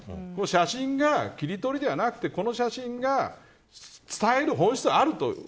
写真が切り取りではなくてこの写真が伝える本質があると。